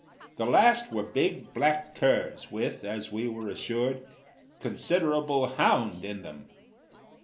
The last were big black curs with, as we were assured, "considerable hound" in them.